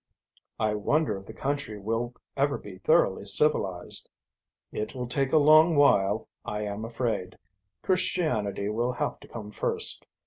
"I wonder if the country will ever be thoroughly civilized?" "It will take a long while, I am afraid. Christianity will have to come first.